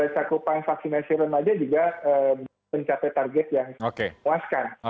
sakupan vaksinasi remaja juga mencapai target yang dikuaskan